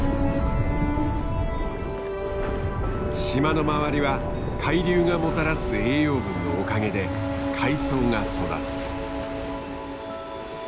島の周りは海流がもたらす栄養分のおかげで海藻が育つ。